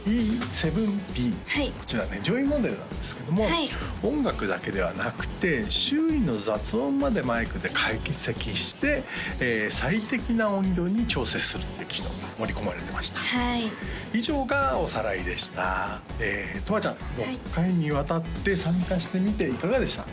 こちらね上位モデルなんですけども音楽だけではなくて周囲の雑音までマイクで解析して最適な音量に調整するっていう機能が盛り込まれてました以上がおさらいでしたとわちゃん６回にわたって参加してみていかがでした？